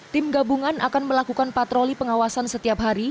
tim gabungan akan melakukan patroli pengawasan setiap hari